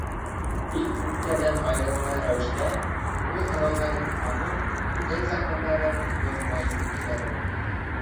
Бик күптәрҙән айырмалы рәүештә, ул һорауҙарын аныҡ, тел закондарын боҙмай еткерә белә.